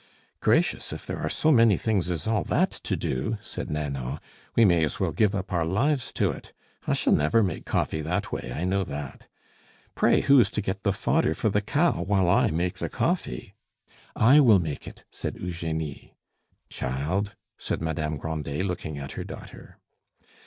"Gracious! if there are so many things as all that to do," said Nanon, "we may as well give up our lives to it. I shall never make coffee that way; I know that! Pray, who is to get the fodder for the cow while I make the coffee?" "I will make it," said Eugenie. "Child!" said Madame Grandet, looking at her daughter.